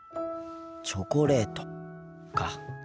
チョコレートか。